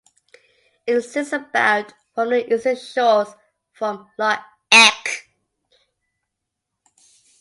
It sits about from the eastern shores of Loch Eck.